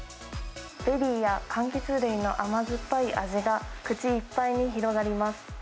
ベリーやかんきつ類の甘酸っぱい味が口いっぱいに広がります。